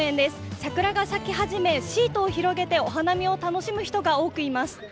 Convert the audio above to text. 桜が咲き始めシートを広げてお花見を楽しむ人が多くいます。